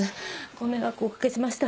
ご迷惑をおかけしました。